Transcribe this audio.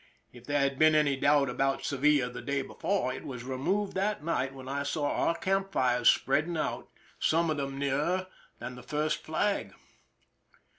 If there had been any doubt about Sevilla the day before, it was removed that night when I saw our camp fires spreading out, some of them nearer than the first flag.